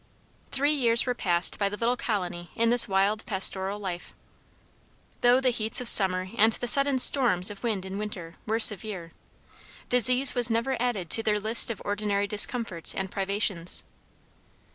Three years were passed by the little colony in this wild pastoral life. Though the heats of summer and the sudden storms of wind in winter, were severe, disease was never added to their list of ordinary discomforts and privations.